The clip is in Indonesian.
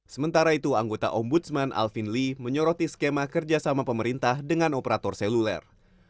sementara itu anggota ombudsman alvin lee menyoroti skema kerjasama pemerintah dengan operator seluler